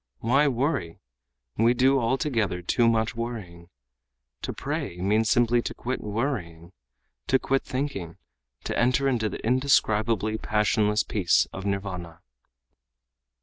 Why worry? We do altogether too much worrying. To pray means simply to quit worrying, to quit thinking, to enter into the indescribably passionless peace of Nirvana."